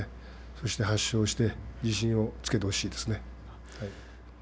そして８勝して自信をつけてほしいですね。